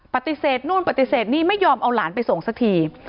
ปฏิเสธนู่นปฏิเสธนี่ไม่ยอมเอาหลานไปส่งสักที